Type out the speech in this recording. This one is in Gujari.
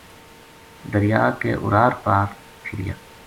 دریا کے اُرار پار پھِریا